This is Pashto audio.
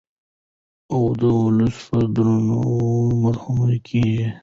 او د ولس په دردونو مرهم کېږدو.